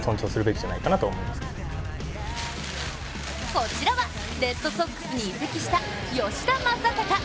こちらはレッドソックスに移籍した吉田正尚。